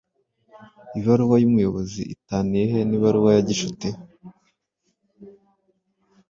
Ibaruwa y’ubuyobozi itaniye he n’ibaruwa ya gicuti?